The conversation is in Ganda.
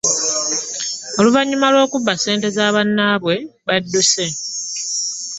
Oluvanyuma lw'okubba ssente z'abannaabwe, badduse